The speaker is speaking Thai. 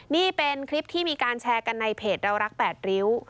นี่เป็นคลิปที่มีการแชร์กันในเพจเรารัก๘ริ้ว